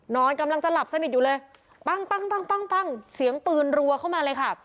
นอนกำลังจะหลับสนิทอยู่เลยปั้งปั้งเสียงปืนรัวเข้ามาเลยค่ะ